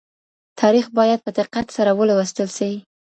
تاريخ بايد په دقت سره ولوستل سي.